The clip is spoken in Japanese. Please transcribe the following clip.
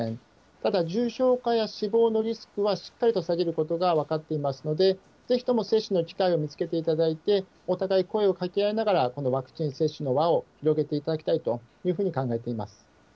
ただ、重症化や死亡のリスクはしっかりと下げることが分かっていますので、ぜひとも接種の機会を見つけていただいて、お互い声をかけ合いながら、このワクチン接種の輪を広げていただきたいというふうに考えています。